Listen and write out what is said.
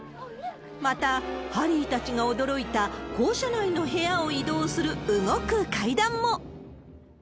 また、ハリーたちが驚いた、校舎内の部屋を移動する動く階段も。